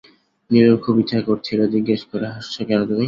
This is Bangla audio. নীলুর খুব ইচ্ছা করছিল, জিজ্ঞেস করে-হাসছ কেন তুমি?